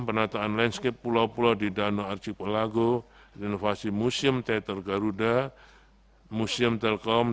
penataan landscape pulau pulau di danau arjipelago renovasi museum teater garuda museum telekom